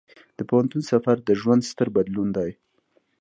د پوهنتون سفر د ژوند ستر بدلون دی.